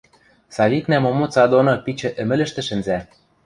Савикнӓ момоца доны пичӹ ӹмӹлӹштӹ шӹнзӓ.